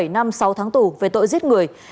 một mươi bảy năm sáu tháng tù về tội giết người